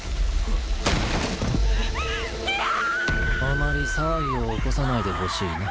あまり騒ぎを起こさないでほしいな。